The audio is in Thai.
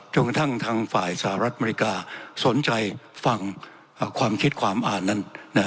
กระทั่งทางฝ่ายสหรัฐอเมริกาสนใจฟังความคิดความอ่านนั้น